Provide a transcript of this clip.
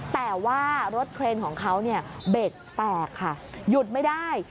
แต่ว่ารถเครนของเขาเนี่ยเบ็ดแตกค่ะหยุดไม่ได้